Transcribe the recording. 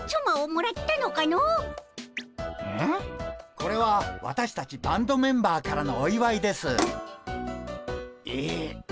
これは私たちバンドメンバーからのおいわいです。え。